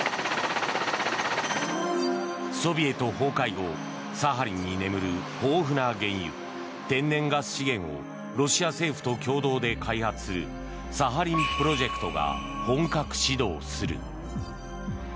ソビエト崩壊後サハリンに眠る豊富な原油天然ガス資源をロシア政府と共同で開発するサハリンプロジェクトが本格始動する。